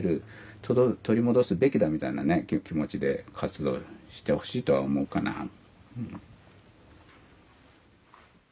取り戻すべきだみたいな気持ちで活動してほしいとは思うかな。